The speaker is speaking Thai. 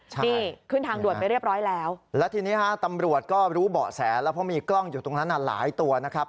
ใช่นี่ขึ้นทางด่วนไปเรียบร้อยแล้วแล้วทีนี้ฮะตำรวจก็รู้เบาะแสแล้วเพราะมีกล้องอยู่ตรงนั้นอ่ะหลายตัวนะครับ